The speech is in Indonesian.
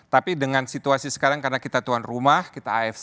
tapi dengan situasi sekarang karena kita tuan rumah kita afc